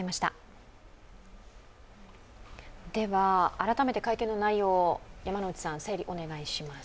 改めて会見の内容を、整理お願いします。